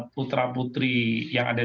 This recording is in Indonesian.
putra putri yang ada